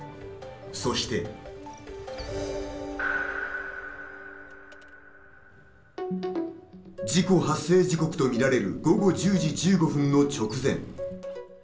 そして事故発生時刻とみられる午後１０時１５分の直前